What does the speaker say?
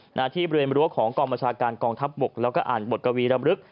หน้าที่บริเวณรั้วของกองบัญชาการกองทัพบกแล้วก็อ่านบทกวีรำลึก